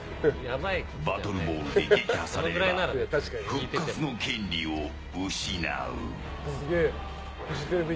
バトルボールで撃破されれば復活の権利を失う。